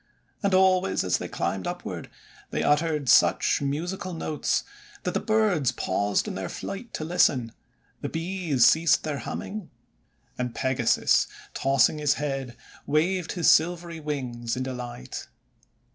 And always, as they climbed upward, they uttered such musical notes that the birds paused in their flight to listen, the Bees ceased their humming, THE MAGPIE MAIDENS 91 and Pegasus, tossing his head, waved his silvery wings in delight.